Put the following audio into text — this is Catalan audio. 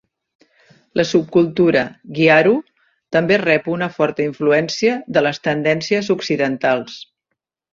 La subcultura "Gyaru" també rep una forta influència de les tendències occidentals.